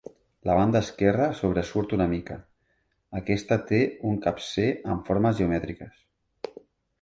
La banda esquerra sobresurt una mica, aquesta té un capcer amb formes geomètriques.